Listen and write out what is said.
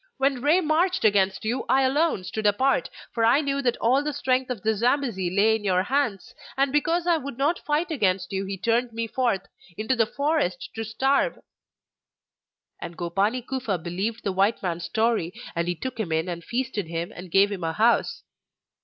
When Rei marched against you I alone stood apart, for I knew that all the strength of the Zambesi lay in your hands, and because I would not fight against you he turned me forth into the forest to starve!' And Gopani Kufa believed the white man's story, and he took him in and feasted him, and gave him a house.